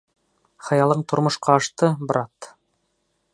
Хыялың тормошҡа ашты, брат!